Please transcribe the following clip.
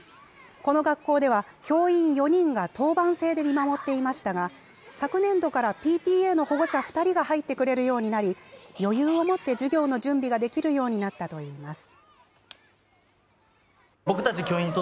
この学校では、教員４人が当番制で見守っていましたが、昨年度からＰＴＡの保護者２人が入ってくれるようになり、余裕を持って授業の準備ができるようになったといいます。